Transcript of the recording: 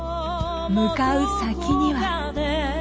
向かう先には。